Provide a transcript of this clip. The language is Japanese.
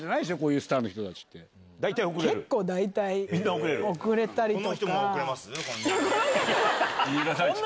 大体遅れたりとか。